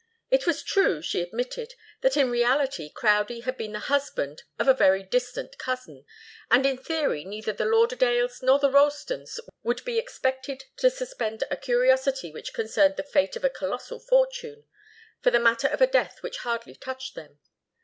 It was true, she admitted, that in reality Crowdie had been the husband of a very distant cousin, and in theory neither the Lauderdales nor the Ralstons would be expected to suspend a curiosity which concerned the fate of a colossal fortune, for the matter of a death which hardly touched them.